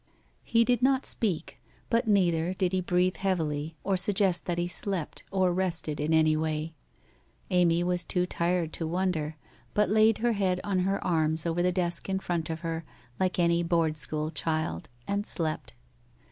He did not speak, but neither did he breathe heavily, or suggest that he slept or rested in any way. Amy was too tired to wonder, but laid her head on her arms over the desk in front of her like any Board school child and slept.